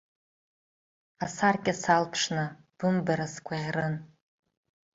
Асаркьа салԥшны бымбара сгәаӷьрын.